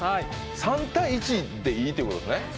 ３−１でいいってことですね？